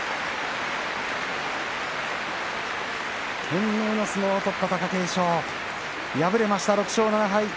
懸命の相撲を取った貴景勝敗れました、６勝７敗。